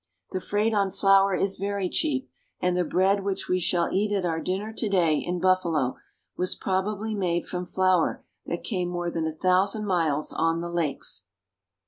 The freight on flour is very cheap, and the bread which we shall eat at our dinner to day in Buffalo was probably made from flour that came more than a thousand miles on the lakes.